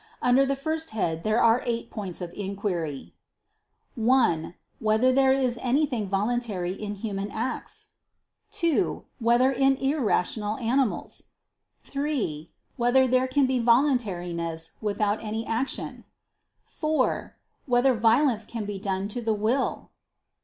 Under the first head there are eight points of inquiry: (1) Whether there is anything voluntary in human acts? (2) Whether in irrational animals? (3) Whether there can be voluntariness without any action? (4) Whether violence can be done to the will?